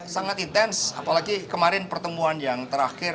sangat intens apalagi kemarin pertemuan yang terakhir mbak puan